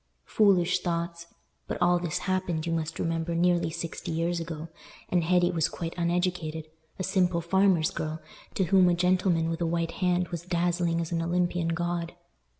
Foolish thoughts! But all this happened, you must remember, nearly sixty years ago, and Hetty was quite uneducated—a simple farmer's girl, to whom a gentleman with a white hand was dazzling as an Olympian god.